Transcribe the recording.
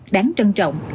đáng trân trọng